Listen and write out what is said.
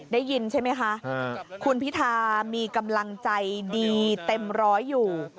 ได้ยินใช่ไหมคะคุณพิธามีกำลังใจดีเต็มร้อยอยู่